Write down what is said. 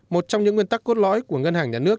một trong những nguyên tắc cốt lõi của ngân hàng nhà nước